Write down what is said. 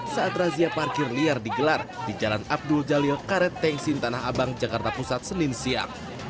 saat razia parkir liar digelar di jalan abdul jalil karet tengsin tanah abang jakarta pusat senin siang